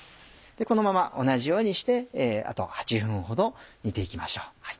このまま同じようにしてあと８分ほど煮て行きましょう。